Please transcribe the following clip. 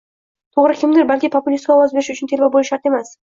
To‘g‘ri, kimdir balki populistga ovoz berish uchun telba bo‘lish shart emas